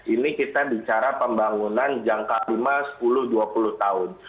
ini kita bicara pembangunan jangka lima sepuluh dua puluh tahun